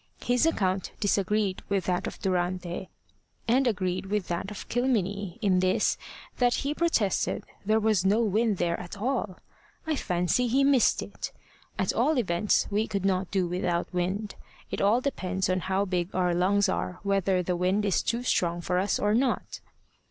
His account disagreed with that of Durante, and agreed with that of Kilmeny, in this, that he protested there was no wind there at all. I fancy he missed it. At all events we could not do without wind. It all depends on how big our lungs are whether the wind is too strong for us or not.